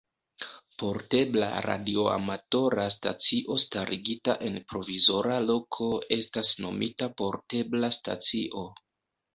Portebla radioamatora stacio starigita en provizora loko estas nomita portebla stacio.